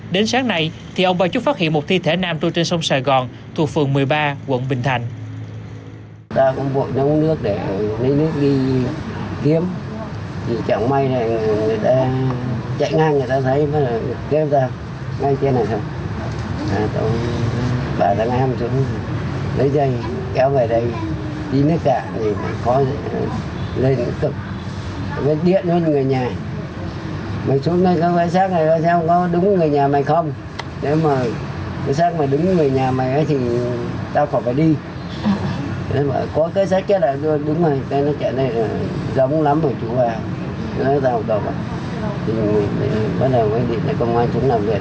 đến sáng nay ông ba trúc phát hiện một thi thể nam trôi trên sông sài gòn thuộc phường một mươi ba quận bình thạnh